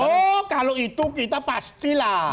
oh kalau itu kita pastilah